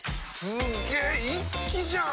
すげ一気じゃん！